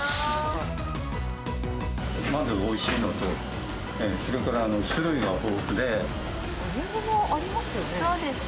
まずおいしいのと、それからボリュームもありますよね。